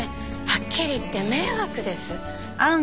はっきり言って迷惑です。